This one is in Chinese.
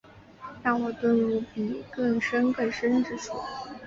让我遁入比更深更深之处